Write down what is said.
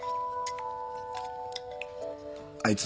あいつ。